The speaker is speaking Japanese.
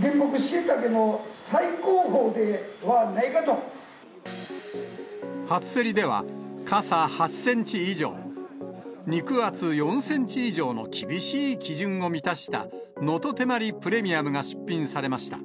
原木しいたけの最高峰ではな初競りでは、かさ８センチ以上、肉厚４センチ以上の厳しい基準を満たした、のとてまりプレミアムが出品されました。